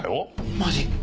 マジ？